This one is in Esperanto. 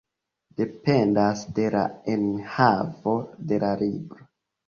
Dependas de la enhavo de la libro.